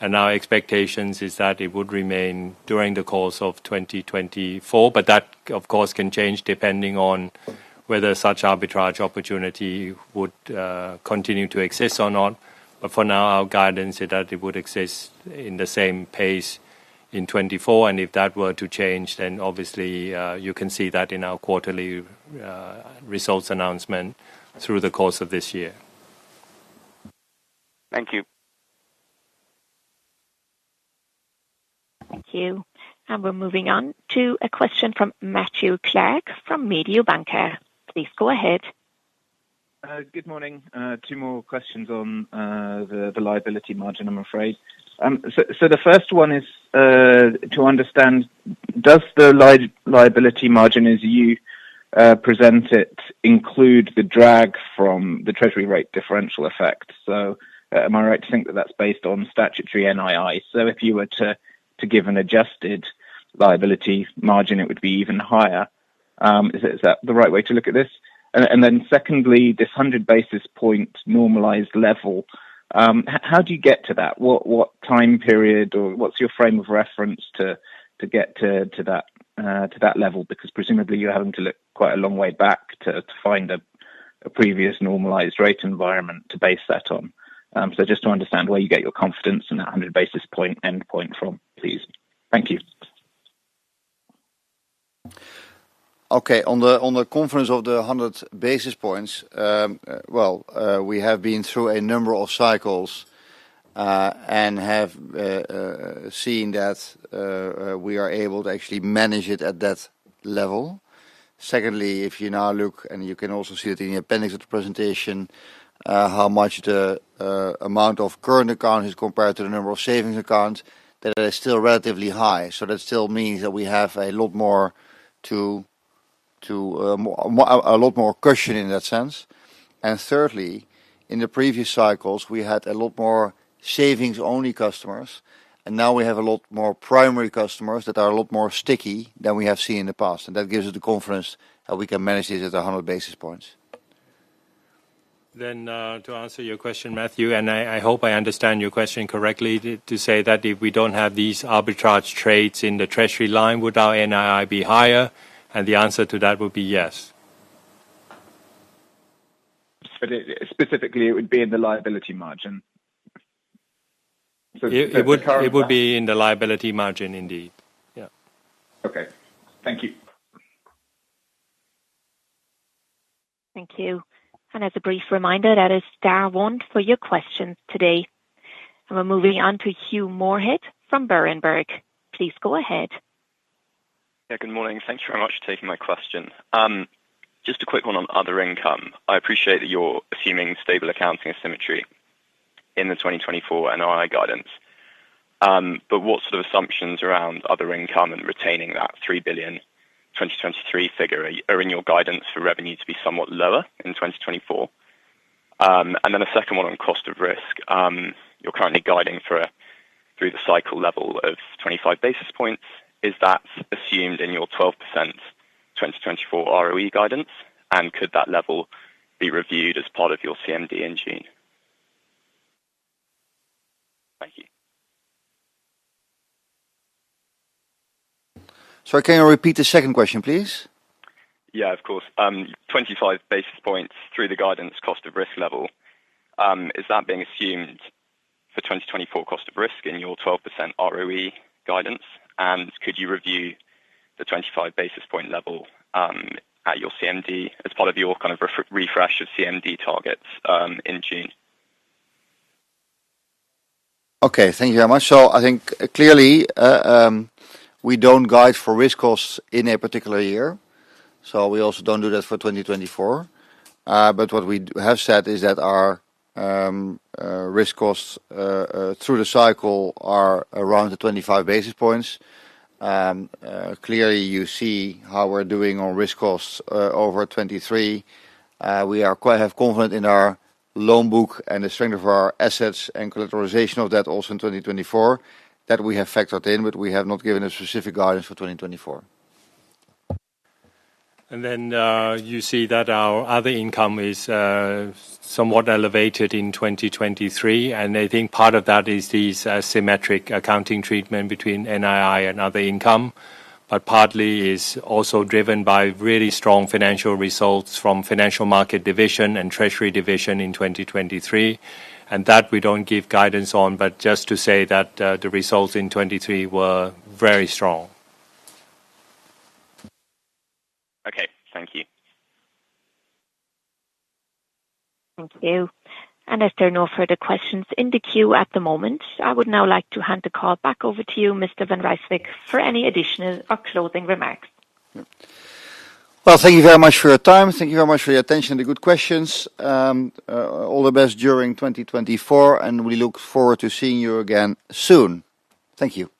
And our expectations is that it would remain during the course of 2024, but that, of course, can change depending on whether such arbitrage opportunity would continue to exist or not. But for now, our guidance is that it would exist in the same pace in 2024, and if that were to change, then obviously you can see that in our quarterly results announcement through the course of this year. Thank you. Thank you. And we're moving on to a question from Matthew Clark from Mediobanca. Please go ahead. Good morning. Two more questions on the liability margin, I'm afraid. The first one is to understand, does the liability margin, as you present it, include the drag from the treasury rate differential effect? Am I right to think that that's based on statutory NII? If you were to give an adjusted liability margin, it would be even higher. Is it? Is that the right way to look at this? And then secondly, this 100 basis point normalized level, how do you get to that? What time period or what's your frame of reference to get to that level? Because presumably you're having to look quite a long way back to find a previous normalized rate environment to base that on. Just to understand where you get your confidence and that 100 basis point endpoint from, please. Thank you. Okay. On the confidence of the 100 basis points, well, we have been through a number of cycles, and have seen that we are able to actually manage it at that level. Secondly, if you now look, and you can also see it in the appendix of the presentation, how much the amount of current accounts is compared to the number of savings accounts, that is still relatively high. So that still means that we have a lot more cushion in that sense. Thirdly, in the previous cycles, we had a lot more savings-only customers, and now we have a lot more primary customers that are a lot more sticky than we have seen in the past, and that gives us the confidence that we can manage it at 100 basis points. To answer your question, Matthew, and I hope I understand your question correctly, to say that if we don't have these arbitrage trades in the treasury line, would our NII be higher? And the answer to that would be yes. But specifically, it would be in the liability margin. So- It would, it would be in the liability margin indeed. Yeah. Okay. Thank you. Thank you. As a brief reminder, that is the one for your question today. We're moving on to Hugh Sherwood from Berenberg. Please go ahead. Yeah, good morning. Thank you very much for taking my question. Just a quick one on other income. I appreciate that you're assuming stable accounting asymmetry in the 2024 NII guidance, but what sort of assumptions around other income and retaining that 3 billion 2023 figure are in your guidance for revenue to be somewhat lower in 2024? And then the second one on cost of risk. You're currently guiding for a through the cycle level of 25 basis points. Is that assumed in your 12% 2024 ROE guidance? And could that level be reviewed as part of your CMD in June? Thank you. Sorry, can you repeat the second question, please? Yeah, of course. 25 basis points through the guidance cost of risk level, is that being assumed for 2024 cost of risk in your 12% ROE guidance? And could you review the 25 basis point level, at your CMD as part of your kind of refresh of CMD targets, in June? Okay, thank you very much. So I think clearly, we don't guide for risk costs in a particular year, so we also don't do that for 2024. But what we have said is that our risk costs through the cycle are around 25 basis points. Clearly, you see how we're doing on risk costs over 2023. We are quite confident in our loan book and the strength of our assets and characterization of that also in 2024, that we have factored in, but we have not given a specific guidance for 2024. And then, you see that our other income is somewhat elevated in 2023, and I think part of that is these symmetric accounting treatment between NII and other income. But partly is also driven by really strong financial results from financial market division and treasury division in 2023, and that we don't give guidance on. But just to say that, the results in 2023 were very strong. Okay, thank you. Thank you. If there are no further questions in the queue at the moment, I would now like to hand the call back over to you, Mr. van Rijswijk, for any additional or closing remarks. Well, thank you very much for your time. Thank you very much for your attention and the good questions. All the best during 2024, and we look forward to seeing you again soon. Thank you.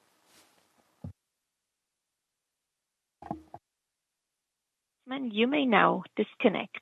You may now disconnect.